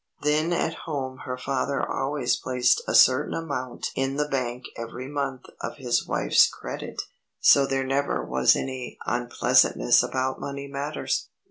Then at home her father always placed a certain amount in the bank every month to his wife's credit, so there never was any unpleasantness about money matters.